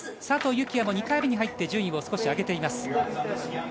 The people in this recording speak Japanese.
佐藤幸椰も２位に入って順位を少し上げています。